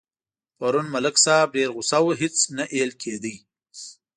پرون ملک صاحب ډېر غوسه و هېڅ نه اېل کېدا.